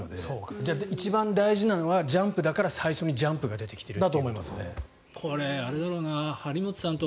じゃあ一番大事なのはジャンプだから一番最初にジャンプが出てきていると。